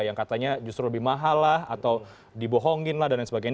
yang katanya justru lebih mahal lah atau dibohongin lah dan lain sebagainya